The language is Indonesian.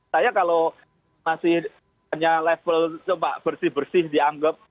saya kalau masih hanya level coba bersih bersih dianggap